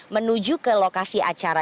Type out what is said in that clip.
menuju ke lokasi acara